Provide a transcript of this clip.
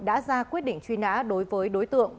đã ra quyết định truy nã đối với đối tượng